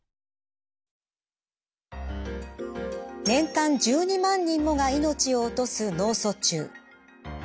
年間１２万人もが命を落とす脳卒中。